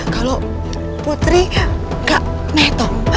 kalau putri gak metong